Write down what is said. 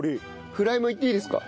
フライもいっていいですか？